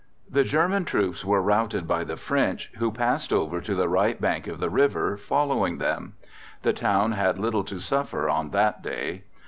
The German troops were routed by the French, who passed over to the right bank of the river following them. The town had little to suffer on that day.